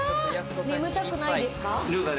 眠たくないですか？